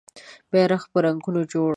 بېرغ په رنګونو جوړ